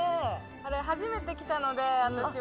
初めて来たので私は。